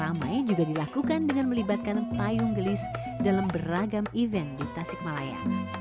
halayak ramai juga dilakukan dengan melibatkan payung gelis dalam beragam event di tasik malaya